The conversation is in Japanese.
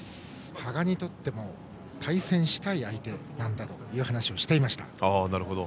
羽賀にとっても対戦したい相手だという話をしていました。